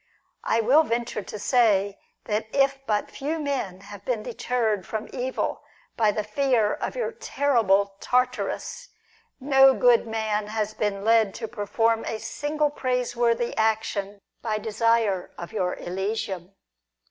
I will venture to say that if but few men have been deterred from evil by the fear of your terrible Tartarus, no good man has been led to perform a single praise worthy action by desire of your Elysium.